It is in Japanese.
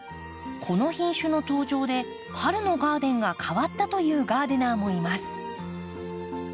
この品種の登場で春のガーデンが変わったというガーデナーもいます。